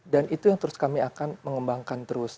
dan itu yang terus kami akan mengembangkan terus